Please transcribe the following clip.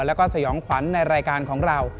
แล้วก็สยองขวัญในรายการของเรา